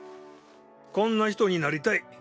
こんな人になりたい